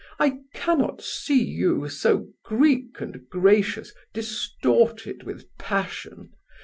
I cannot see you, so Greek and gracious, distorted with passion.